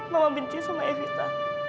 mama bintik sama evita